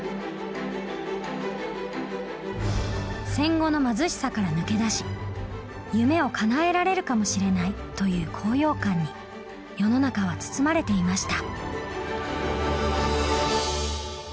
戦後の貧しさから抜け出し夢をかなえられるかもしれないという高揚感に世の中は包まれていました。